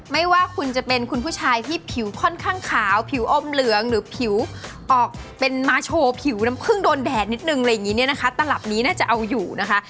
ไม่ว่าคุณจะเป็นคุณผู้ชายที่ผิวค่อนข้างขาวผิวอมเหลืองหรือผิวออกเป็นมาโชว์ผิวน้ำผึ้งโดนแดดนิดนึงอะไรอย่างงี้เนี่ยนะคะตลับนี้น่าจะเอาอยู่นะคะ